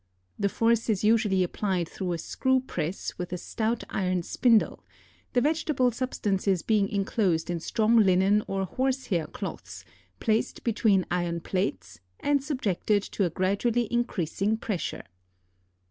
The force is usually applied through a screw press with a stout iron spindle; the vegetable substances being inclosed in strong linen or horse hair cloths, placed between iron plates, and subjected to a gradually increasing pressure.